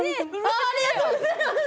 ありがとうございます。